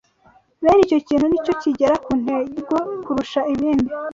bene icyo kintu ni cyo kigera ku ntego kurusha ibindi